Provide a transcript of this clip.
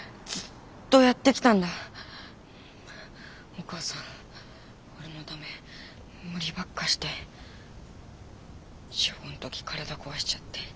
お母さん俺のため無理ばっかして小５ん時体壊しちゃって。